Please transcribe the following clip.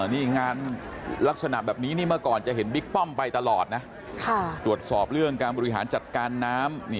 นี่งานลักษณะแบบนี้นี่เมื่อก่อนจะเห็นบิ๊กป้อมไปตลอดนะตรวจสอบเรื่องการบริหารจัดการน้ำ